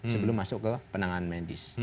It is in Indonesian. sebelum masuk ke penanganan medis